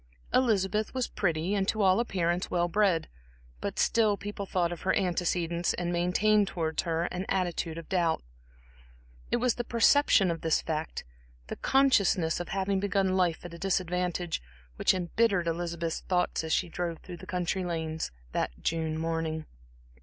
Elizabeth was pretty and to all appearance, well bred, but still people thought of her antecedents and maintained towards her an attitude of doubt. It was the perception of this fact, the consciousness of having begun life at a disadvantage, which embittered Elizabeth's thoughts as she drove through the country lanes that June morning.